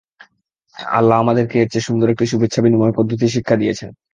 আল্লাহ আমাদেরকে এর চেয়ে সুন্দর একটি শুভেচ্ছা বিনিময় পদ্ধতি শিক্ষা দিয়েছেন।